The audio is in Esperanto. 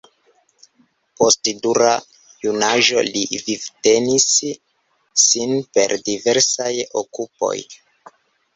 Post dura junaĝo li vivtenis sin per diversaj okupoj.